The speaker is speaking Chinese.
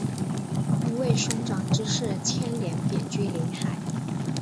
因为兄长之事牵连贬居临海。